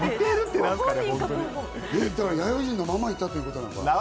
だから弥生人のままいたっていうことだね。